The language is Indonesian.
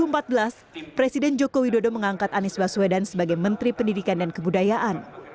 pada dua ribu empat belas presiden joko widodo mengangkat anis baswedan sebagai menteri pendidikan dan kemudayaan